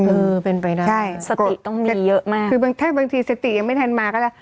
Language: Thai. เออเป็นไปได้ใช่สติต้องมีเยอะมากคือบางถ้าบางทีสติยังไม่ทันมาก็ได้